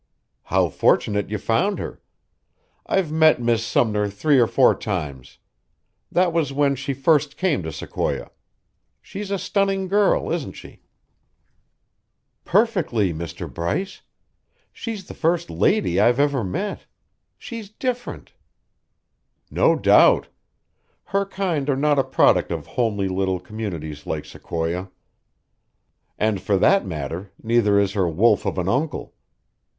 "How fortunate you found her! I've met Miss Sumner three or four times. That was when she first came to Sequoia. She's a stunning girl, isn't she?" "Perfectly, Mr. Bryce. She's the first lady I've ever met. She's different." "No doubt! Her kind are not a product of homely little communities like Sequoia. And for that matter, neither is her wolf of an uncle.